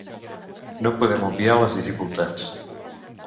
No podem obviar les dificultats.